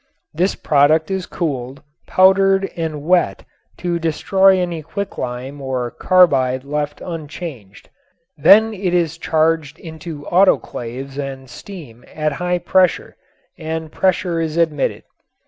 This product is cooled, powdered and wet to destroy any quicklime or carbide left unchanged. Then it is charged into autoclaves and steam at high temperature and pressure is admitted.